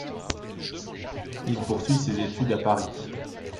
Il poursuit ses études à Paris.